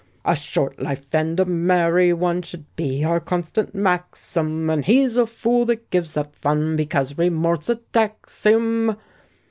"A short life and a merry one" Should be our constant maxim; And he's a fool that gives up fun Because remorse attacks him.